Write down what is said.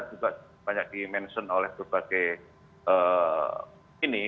juga banyak di mention oleh berbagai ini